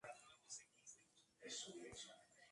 Goodwill está financiada por una red tiendas de segunda mano.